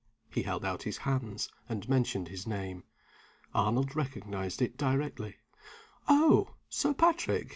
He held out his hands, and mentioned his name. Arnold recognized it directly. "Oh, Sir Patrick!"